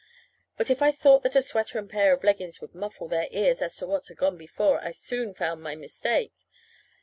But if I thought that a sweater and a pair of leggings could muffle their ears as to what had gone before, I soon found my mistake.